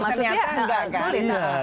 maksudnya nggak kan